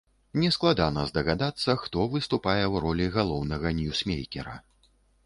Нескладана здагадацца, хто выступае ў ролі галоўнага ньюсмейкера.